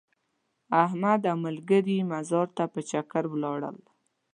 احمد او ملګري مزار ته په چکر ولاړل.